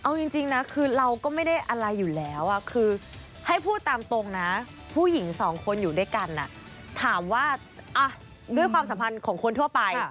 ไม่จริงข่าวเกาเหลาเนี่ยมีมาตั้งแต่อัลบั้มแรกแล้วมีมาตลอดนะ